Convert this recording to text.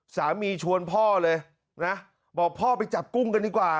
ชวนพ่อเลยนะบอกพ่อไปจับกุ้งกันดีกว่า